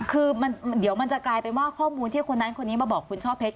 คือเดี๋ยวมันจะกลายเป็นว่าข้อมูลที่คนนั้นคนนี้มาบอกคุณช่อเพชร